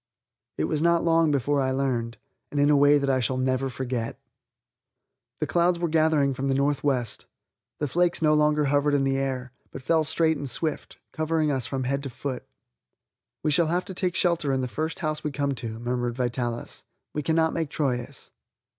It was not long before I learned, and in a way that I shall never forget. The clouds were gathering from the northwest. The flakes no longer hovered in the air, but fell straight and swift, covering us from head to foot. "We shall have to take shelter in the first house we come to," murmured Vitalis; "we cannot make Troyes."